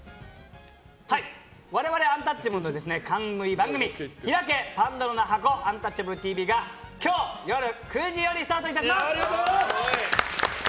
我々アンタッチャブルの冠番組「ひらけ！パンドラの箱アンタッチャブるＴＶ」が今日夜９時よりスタートします。